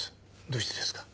どうしてですか？